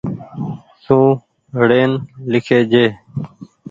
سون ڙين لکي جي۔